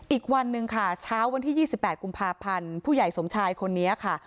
อีกวันหนึ่งค่ะเช้าวันที่๒๘กุมภาพันธ์ผู้ใหญ่สมชายคนนี้ค่ะ